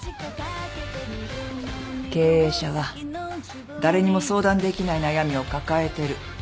経営者は誰にも相談できない悩みを抱えてる。